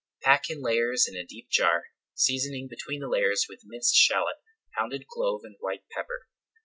Pack in layers in a deep jar, seasoning between the layers with minced shallot, pounded clove and white pepper.